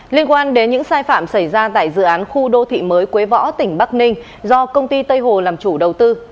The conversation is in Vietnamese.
liên quan đến những sai phạm xảy ra tại dự án khu đô thị mới quế võ tỉnh bắc ninh do công ty tây hồ làm chủ đầu tư